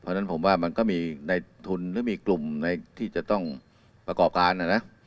เพราะฉะนั้นผมว่ามันก็มีในทุนหรือมีกลุ่มที่จะต้องประกอบการนะนะ